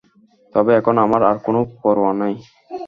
তবে এখন আমার আর কোন পরোয়া নেই।